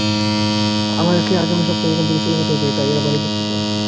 আমাকে আগামী সপ্তাহেই এখান থেকে চলে যেতে হবে, তাই এরা ভারি দুঃখিত।